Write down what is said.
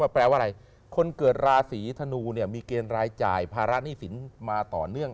แปลว่าอะไรคนเกิดราศีธนูเนี่ยมีเกณฑ์รายจ่ายภาระหนี้สินมาต่อเนื่อง